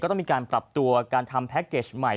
ต้องมีการปรับตัวการทำแพ็คเกจใหม่